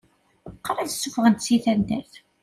Qrib ssufɣen-t seg taddart.